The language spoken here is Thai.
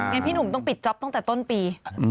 พี่หนุ่มต้องปิดจ๊อปตั้งแต่ต้นปี